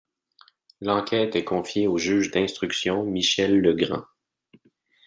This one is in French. L’enquête est confiée au juge d’instruction Michel Legrand.